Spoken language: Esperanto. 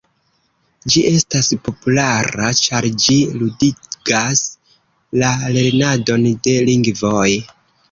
Ĝi estas populara ĉar ĝi “ludigas” la lernadon de lingvoj.